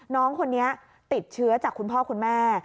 น้องคนนี้ติดเชื้อจากคุณพ่อคุณแม่